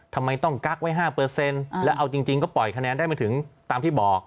ทำไมต้องกักไว้๕แล้วเอาจริงก็ปล่อยคะแนนได้ไม่ถึงตามที่บอก